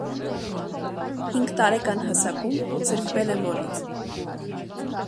Հինգ տարեկան հասակում զրկվել է մորից։